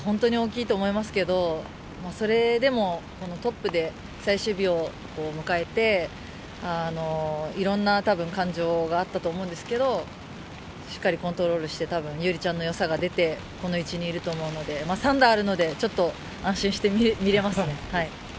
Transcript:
１７番のバーディーが本当に大きいと思いますけど、それでもトップで最終日を迎えて、いろんな感情があったとは思うんですけど、しっかりコントロールして、優利ちゃんの良さが出て、この位置にいると思うので、３打あるので安心して見れますね。